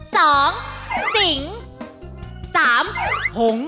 ชาง๒สิง๓หง